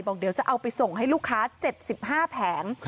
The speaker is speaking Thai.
เดี๋ยวจะเอาไปส่งให้ลูกค้า๗๕แผง